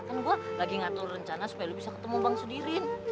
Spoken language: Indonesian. kan gua lagi ngatur rencana supaya lu bisa ketemu bang sudirin